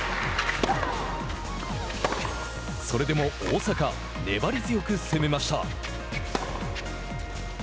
それでも大坂粘り強く攻めました。